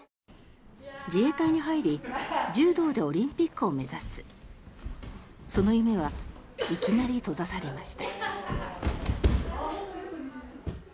自衛隊に入り柔道でオリンピックを目指すその夢はいきなり閉ざされました。